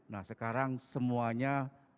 nah sekarang semuanya